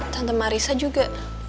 tante marissa juga